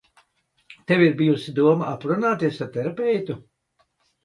Tev ir bijusi doma aprunāties ar terapeitu?